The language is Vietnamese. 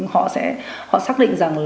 họ xác định